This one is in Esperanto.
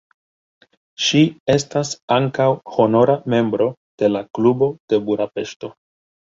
Ŝi estas ankaŭ honora membro de la Klubo de Budapeŝto.